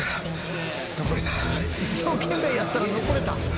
「一生懸命やったら残れた」